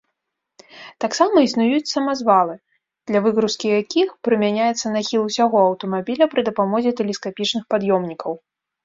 Таксама існуюць самазвалы, для выгрузкі якіх прымяняецца нахіл усяго аўтамабіля пры дапамозе тэлескапічных пад'ёмнікаў.